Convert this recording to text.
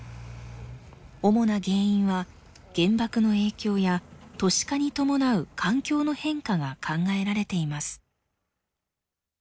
主な原因は原爆の影響や都市化に伴う環境の変化が考えられています。